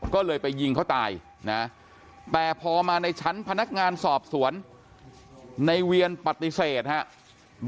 ก็เลยไปยิงเขาตายนะแต่พอมาในชั้นพนักงานสอบสวนในเวียนปฏิเสธครับ